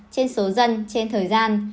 trên số dân trên thời gian